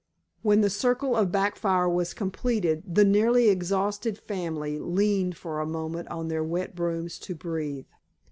When the circle of back fire was completed the nearly exhausted family leaned for a moment on their wet brooms to breathe.